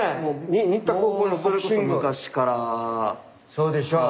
そうでしょう？